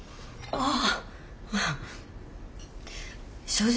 ああ。